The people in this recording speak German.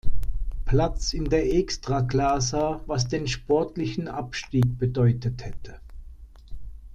Platz in der Ekstraklasa, was den sportlichen Abstieg bedeutet hätte.